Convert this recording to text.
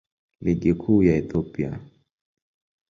Ligi Kuu ya Ethiopia.